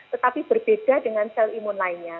tetapi berbeda dengan sel imun lainnya